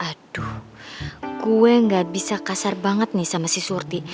aduh gue gak bisa kasar banget nih sama si surti